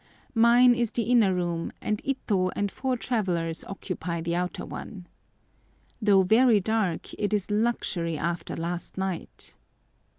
Mine is the inner room, and Ito and four travellers occupy the outer one. Though very dark, it is luxury after last night.